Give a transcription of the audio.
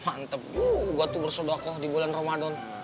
mantep juga tuh bersodoko di bulan ramadan